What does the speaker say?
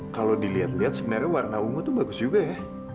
kalau diliat liat sebenernya warna ungu tuh bagus juga ya